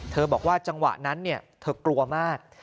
บอกว่าจังหวะนั้นเธอกลัวมาก